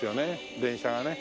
電車がね。